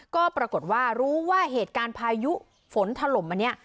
ก็ปรากฏว่ารู้ว่าเหตุการณ์พายุฝนถล่มอันนี้